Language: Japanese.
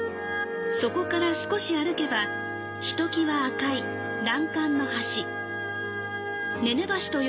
そこから少し歩けば、ひときわ赤い欄干の橋。